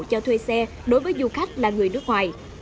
cho thuê xe đối với du khách là người nước ngoài